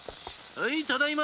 はいただいま！